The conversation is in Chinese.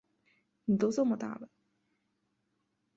妳都这么大了